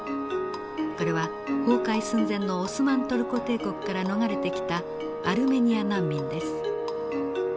これは崩壊寸前のオスマン・トルコ帝国から逃れてきたアルメニア難民です。